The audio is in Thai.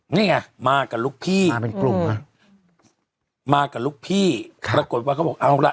นี่ไงมากับลูกพี่มาเป็นกลุ่มอ่ะมากับลูกพี่ปรากฏว่าเขาบอกเอาล่ะ